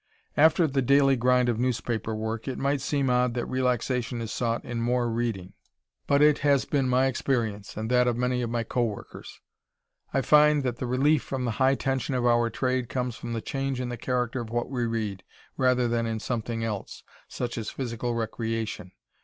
After the daily grind of newspaper work, it might seem odd that relaxation is sought in "more reading" but it has been my experience, and that of many of my co workers. I find, that the relief from the high tension of our trade comes from the change in the character of what we read, rather than in "something else," such as physical recreation.